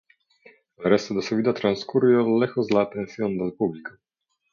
El resto de su vida transcurrió lejos de la atención del público.